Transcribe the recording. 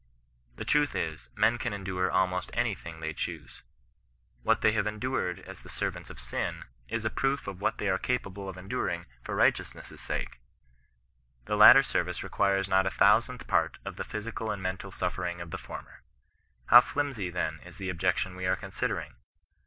The truth is, men can endure almost any thing they choose. What they have endured as the servants of sin, is a proof of what they are capable of enduring for righteousness' sake. The latter service requires not a thousandth part of the physical and mental suffering of the former. How flimsy then is the objection we are considering